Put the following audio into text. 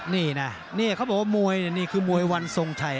นี่นะนี่เขาบอกว่ามวยนี่คือมวยวันทรงชัย